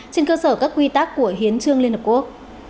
trên cơ sở các quy tắc của hiến trương liên hợp quốc